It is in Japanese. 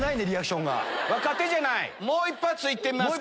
もう一発いってみますか。